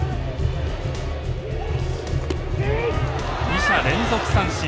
二者連続三振。